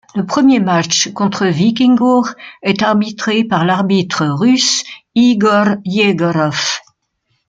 Le premier match contre Víkingur est arbitré par l'arbitre russe Igor Egorov.